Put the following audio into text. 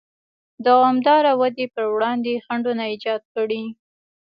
دوامداره ودې پر وړاندې خنډونه ایجاد کړي.